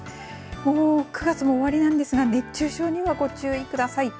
もう９月も終わりなんですが熱中症にはご注意ください。